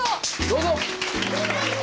どうぞ！